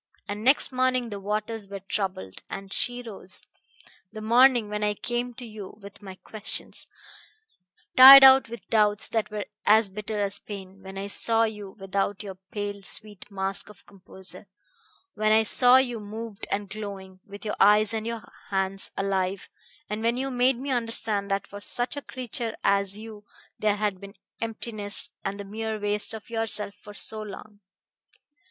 And next morning the waters were troubled, and she rose the morning when I came to you with my questions, tired out with doubts that were as bitter as pain, and when I saw you without your pale, sweet mask of composure when I saw you moved and glowing, with your eyes and your hands alive, and when you made me understand that for such a creature as you there had been emptiness and the mere waste of yourself for so long.